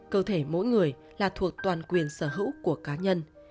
cơ thể mỗi người là thuộc toàn quyền sở hữu của cá nhân